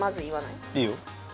いいよ。